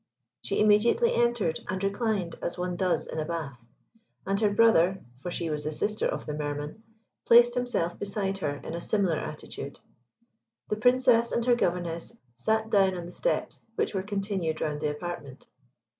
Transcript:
She immediately entered, and reclined as one does in a bath, and her brother (for she was the sister of the Mer man) placed himself beside her in a similar attitude. The Princess and her governess sat down on the steps which were continued round the apartment.